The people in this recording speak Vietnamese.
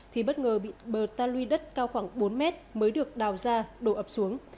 thì bất ngờ bị bờ ta lui đất cao khoảng bốn mét mới được đào ra đổ ập xuống